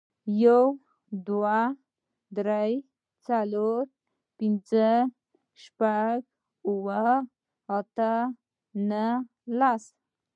یو, دوه, درې, څلور, پنځه, شپږ, اووه, اته, نه, لس